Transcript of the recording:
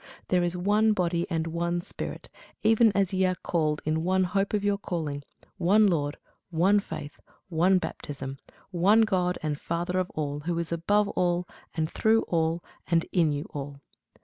There is one body, and one Spirit, even as ye are called in one hope of your calling; one Lord, one faith, one baptism, one God and Father of all, who is above all, and through all, and in you all.